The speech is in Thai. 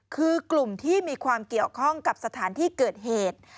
คือกลุ่มที่มีความเกี่ยวข้องกับสถานที่เกิดเหตุ